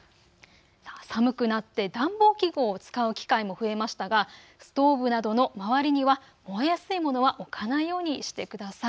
寒くなって暖房器具を使う機会も増えましたがストーブなどの周りには燃えやすいものは置かないようにしてください。